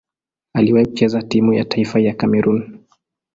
Aliwahi kucheza timu ya taifa ya Kamerun.